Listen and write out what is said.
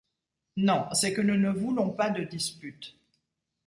Non, c’est que nous ne voulons pas de dispute.